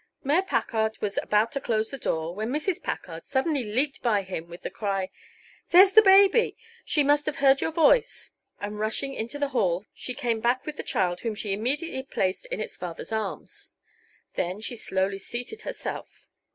Mayor Packard was about to close the door, when Mrs. Packard suddenly leaped by him with the cry: "There's the baby! She must have heard your voice." And rushing into the hall she came back with the child whom she immediately placed in its father's arms. Then she slowly seated herself.